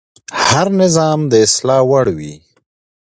هر نظام د اصلاح وړ وي